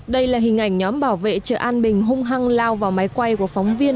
đây là hình ảnh nhóm bảo vệ chợ an bình hung hăng lao vào máy quay của phóng viên